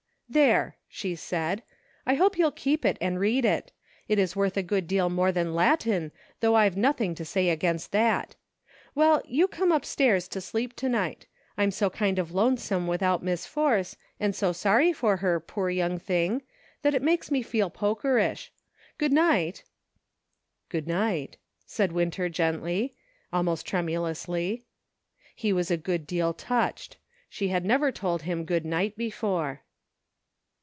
"There," she said, " I hope you'll keep it and read it ; it is worth a good deal more than Latin, though I've nothing to say against that. Well, you come up stairs to sleep to night. I'm so kind of lonesome without Miss Force, and so sorry for her, poor young thing, that it makes me feel pokerish. Good night !"" Good night !" said Winter gently, almost trem ulously. He was a good deal touched ; she had never told him good night before.